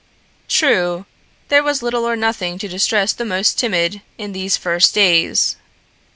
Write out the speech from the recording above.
True, there was little or nothing to distress the most timid in these first days.